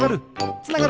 つながる！